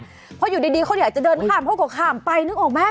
เพราะอยู่ดีเขาอยากจะเดินข้ามเขาก็ข้ามไปนึกออกไหม